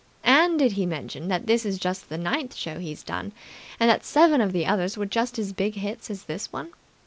And did he mention that this is the ninth show he's done, and that seven of the others were just as big hits as this one?